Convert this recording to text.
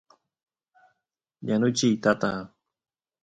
yanuchiy tata